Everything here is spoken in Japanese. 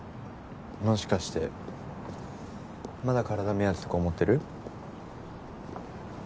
もしかしてまだ体目当てとか思ってる？